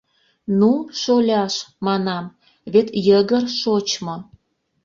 — Ну, шоляш, — манам, — вет йыгыр шочмо...